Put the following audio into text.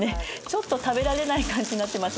ちょっと食べられない感じになってます。